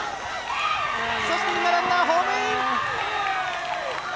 そして今ランナー、ホームイン！